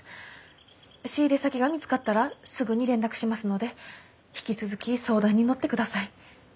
仕入れ先が見つかったらすぐに連絡しますので引き続き相談に乗ってください。